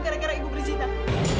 gara gara ibu berzinah